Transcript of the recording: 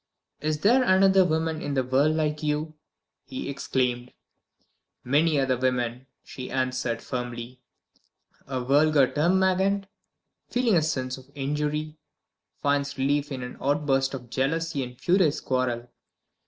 "Is there another woman in the world like you!" he exclaimed. "Many other women," she answered, firmly. "A vulgar termagant, feeling a sense of injury, finds relief in an outburst of jealousy and a furious quarrel.